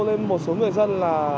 nên một số người dân